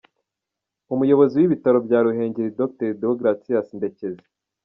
Umuyobozi w’ibitaro bya Ruhengeri Dr Deogratias Ndekezi.